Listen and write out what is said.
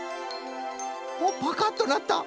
おっパカッとなった。